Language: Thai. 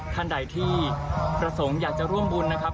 ท่านใดที่ประสงค์อยากจะร่วมบุญนะครับ